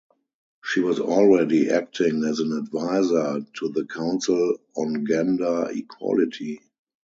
She was already acting as an advisor to the council on gender equality.